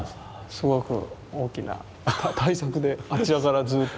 すごく大きな大作であちらからずっと。